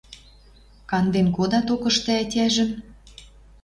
Канден кода токышты ӓтяжӹм